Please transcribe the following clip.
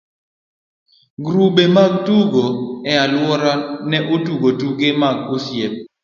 grube mag tugo e alworawa ne tugo tuke mag osiep.